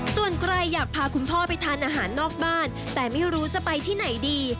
ส่วนใครอยากพาคุณพ่อไปทานอาหารนอกบ้านแต่ไม่รู้จะไปที่ไหนดี